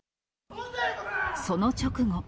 その直後。